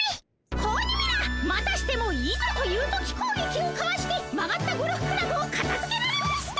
子鬼めらまたしても「いざという時」こうげきをかわして曲がったゴルフクラブをかたづけられました。